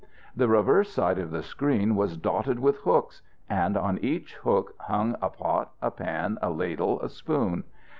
The reverse side of the screen was dotted with hooks, and on each hook hung a pot, a pan, a ladle, a spoon.